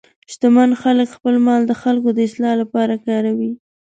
شتمن خلک خپل مال د خلکو د اصلاح لپاره کاروي.